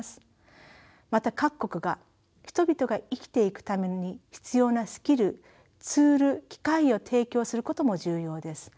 また各国が人々が生きていくために必要なスキルツール機会を提供することも重要です。